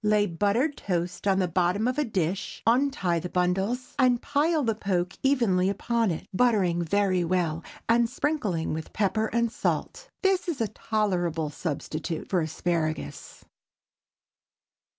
Lay buttered toast in the bottom of a dish, untie the bundles, and pile the poke evenly upon it, buttering very well, and sprinkling with pepper and salt. This is a tolerable substitute for asparagus.